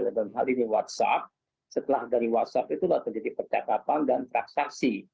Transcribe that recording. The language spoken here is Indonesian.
dalam hal ini whatsapp setelah dari whatsapp itulah terjadi percakapan dan transaksi